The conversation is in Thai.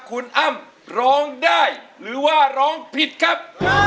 คุณอ้ำร้องได้หรือว่าร้องผิดครับ